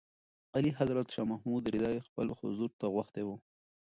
اعلیحضرت شاه محمود رېدی خپل حضور ته غوښتی و.